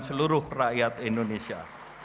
seluruh rakyat indonesia